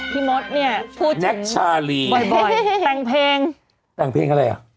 พี่มดเนี่ยพูดถึงบ่อยแปลงเพลงแปลงเพลงอะไรอ่ะ